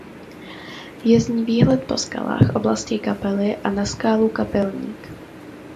Je z ní výhled po skalách oblasti Kapely a na skálu Kapelník.